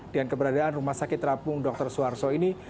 dengan keberadaan rumah sakit terapung dr suharto ini